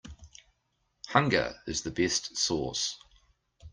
Hunger is the best sauce.